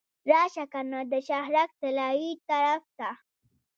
راشه کنه د شهرک طلایې طرف ته.